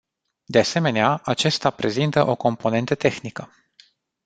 De asemenea, acesta prezintă o componentă tehnică.